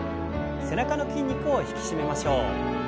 背中の筋肉を引き締めましょう。